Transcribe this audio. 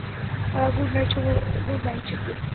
Good night, - good night.